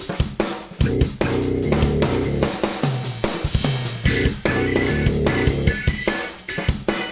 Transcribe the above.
เอาละมาพ่อมูนอีดดว่า